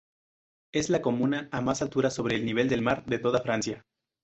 Es la comuna a más altura sobre el nivel del mar de toda Francia.